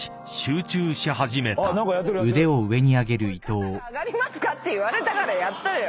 これ「肩が上がりますか？」って言われたからやったのよ。